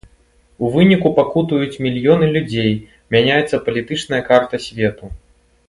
У выніку пакутуюць мільёны людзей, мяняецца палітычная карта свету.